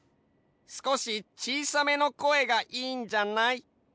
すこしちいさめの声がいいんじゃない？